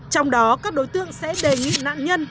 trong đó các đối tượng sẽ đề nghị nạn nhân